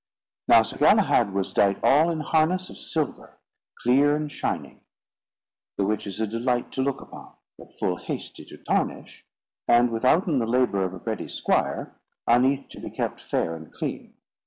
Now, Sir Galahad was dight all in harness of silver, clear and shining; the which is a delight to look upon, but full hasty to tarnish, and withouten the labour of a ready squire, uneath to be kept fair and clean.